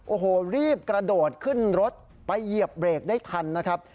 โอ้โหรีบกระโดดขึ้นรถไปเหยียบเบรกได้ทันนะครับ